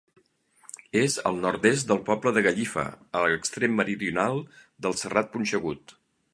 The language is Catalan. És al nord-est del poble de Gallifa, a l'extrem meridional del Serrat Punxegut.